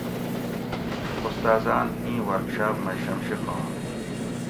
استاۤزاۤن اِیں ورکشاپ مئی شمشی خان